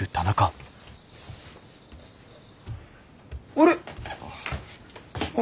あれ？